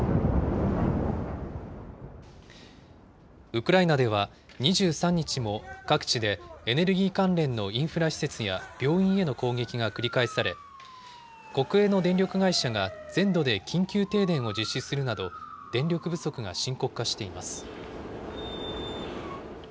ウクライナでは２３日も、各地でエネルギー関連のインフラ施設や病院への攻撃が繰り返され、国営の電力会社が全土で緊急停電を実施するなど、電力不足が深刻化しています。